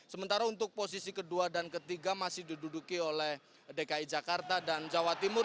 sementara untuk posisi kedua dan ketiga masih diduduki oleh dki jakarta dan jawa timur